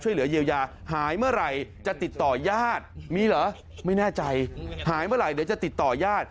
หายเมื่อไหร่เดี๋ยวจะติดต่อย่าด